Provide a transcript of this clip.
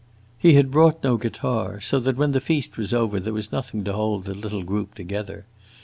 He had brought no guitar, so that when the feast was over there was nothing to hold the little group together.